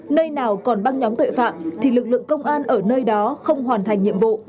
nơi nào còn băng nhóm tội phạm thì lực lượng công an ở nơi đó không hoàn thành nhiệm vụ